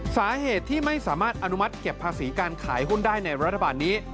สาเหตุที่ไม่สามารถอนุมัติเก็บภาษีการขายหุ้นได้ในรัฐบาลนี้